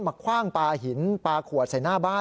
คว่างปลาหินปลาขวดใส่หน้าบ้าน